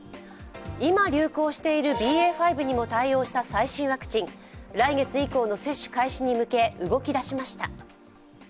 今、流行しているＢＡ．５にも対応した最新ワクチン来月以降の接種開始に向け動き出しました。